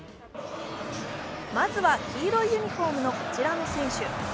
まずは黄色いユニフォームのこちらの選手。